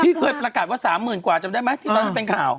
เคยประกาศว่า๓๐๐๐กว่าจำได้ไหมที่ตอนนั้นเป็นข่าว